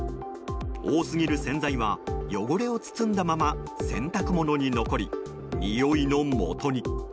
多すぎる洗剤は汚れを包んだまま洗濯物に残りにおいのもとに。